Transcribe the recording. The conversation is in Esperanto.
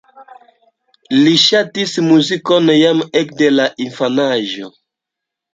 Li ŝatis muzikon jam ekde la infanaĝo.